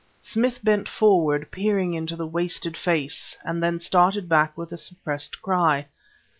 Smith bent forward peering into the wasted face; and then started back with a suppressed cry.